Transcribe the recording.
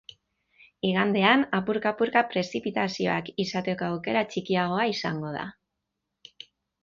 Igandean, apurka-apurka, prezipitazioak izateko aukera txikiagoa izango da.